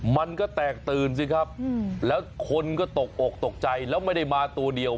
มันก็แตกตื่นสิครับแล้วคนก็ตกอกตกใจแล้วไม่ได้มาตัวเดียว